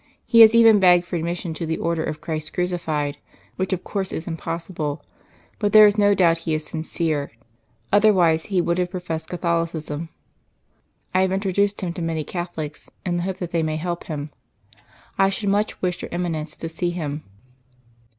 He has even begged for admission to the Order of Christ Crucified, which of course is impossible. But there is no doubt he is sincere; otherwise he would have professed Catholicism. I have introduced him to many Catholics in the hope that they may help him. I should much wish your Eminence to see him."